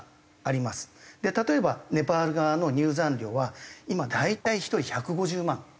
例えばネパール側の入山料は今大体１人１５０万。